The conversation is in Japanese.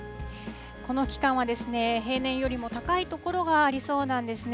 この期間は平年よりも高い所がありそうなんですね。